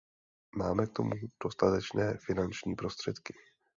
Máme k tomu dostatečné finanční prostředky.